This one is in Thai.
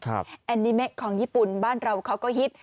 แอนนิเมะของญี่ปุ่นบ้านเราเขาก็ฮิต